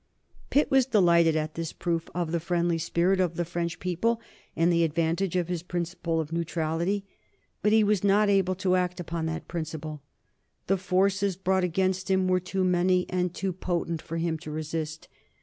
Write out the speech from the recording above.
Pitt was delighted at this proof of the friendly spirit of the French people and the advantage of his principle of neutrality. But he was not able to act upon that principle. The forces brought against him were too many and too potent for him to resist.